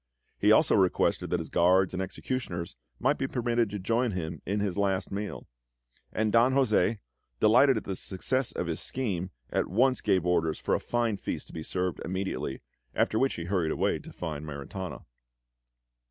He also requested that his guards and executioners might be permitted to join him in his last meal; and Don José, delighted at the success of his scheme, at once gave orders for a fine feast to be served immediately, after which he hurried away to find Maritana.